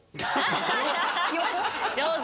上手。